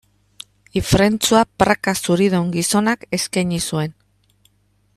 Ifrentzua praka zuridun gizonak eskaini zuen.